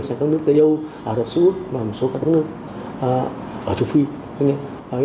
trong các nước tây âu ả rập xê út và một số các nước ở trung phi